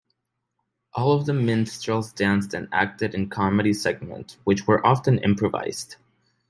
All of the minstrels danced and acted in comedy segments, which were often improvised.